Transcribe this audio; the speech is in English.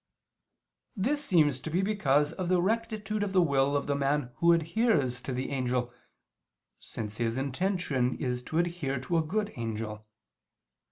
This seems to be because of the rectitude of the will of the man who adheres to the angel, since his intention is to adhere to a good angel.